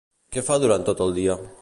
Què fa durant tot el dia?